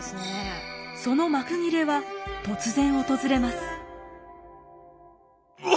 その幕切れは突然訪れます。